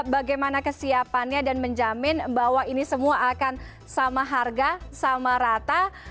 bagaimana kesiapannya dan menjamin bahwa ini semua akan sama harga sama rata